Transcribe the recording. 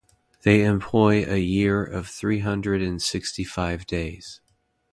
They employ a year of three hundred and sixty-five days.